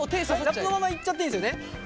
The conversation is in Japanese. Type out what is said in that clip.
ラップのままいっちゃっていいですよね。